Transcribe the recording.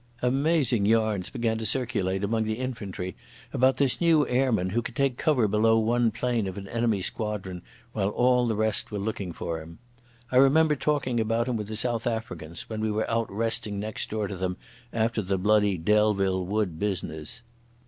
Amazing yarns began to circulate among the infantry about this new airman, who could take cover below one plane of an enemy squadron while all the rest were looking for him. I remember talking about him with the South Africans when we were out resting next door to them after the bloody Delville Wood business.